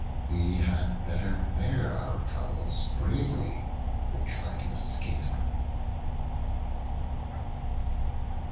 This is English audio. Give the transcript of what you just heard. We had better bear our troubles bravely than try to escape them.